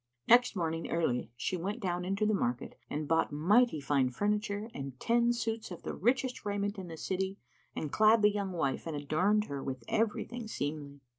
Next morning early she went down into the market and bought mighty fine furniture and ten suits of the richest raiment in the city, and clad the young wife and adorned her with everything seemly.